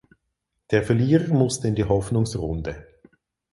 Der Verlierer musste in die Hoffnungsrunde.